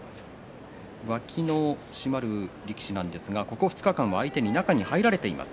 脇の締まる力士なんですがここ２日間は相手に中に入られています。